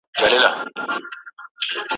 دا د باروتو د اورونو کیسې